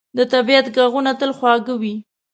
د طبیعت ږغونه تل خوږ وي.